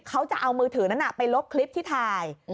เขาจะเอามือถือนั้นไปลบคลิปที่ถ่าย